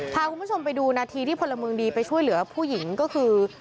พาคุณผู้ชมไปดูนาทีที่พลเมืองดีไปช่วยเหลือผู้หญิงก็คือ